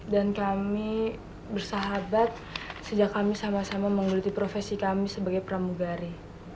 dan kami bersahabat sejak kami sama sama mengikuti profesi kami sebagai pramugari